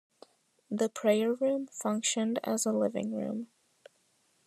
The prayer room functioned as a living room.